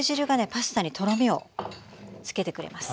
パスタにとろみをつけてくれます。